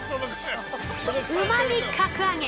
◆うまみ格上げ。